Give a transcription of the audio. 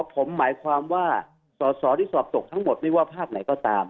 ผมหมายความว่าสอสอที่สอบตกทั้งหมดไม่ว่าภาคไหนก็ตาม